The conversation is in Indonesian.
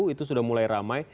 itu sudah mulai ramai